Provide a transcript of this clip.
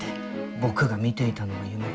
僕が見ていたのは夢。